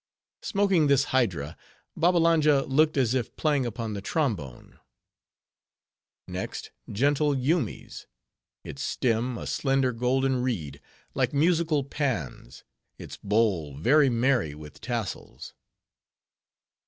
Smoking this hydra, Babbalanja looked as if playing upon the trombone. Next, gentle Yoomy's. Its stem, a slender golden reed, like musical Pan's; its bowl very merry with tassels.